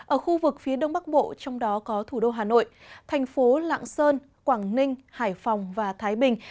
ở khu vực phía đông bắc bộ trong đó có thủ đô hà nội thành phố lạng sơn quảng ninh hải phòng và thái bình